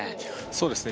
そうですね